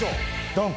ドン！